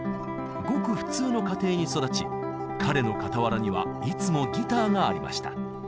ごく普通の家庭に育ち彼の傍らにはいつもギターがありました。